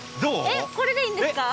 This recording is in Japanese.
えっこれでいいんですか？